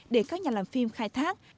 để các nhà làm phim khai thác